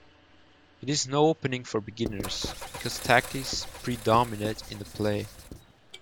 It is no opening for beginners, because tactics predominate in the play.